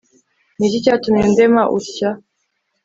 ni iki cyatumye undema utya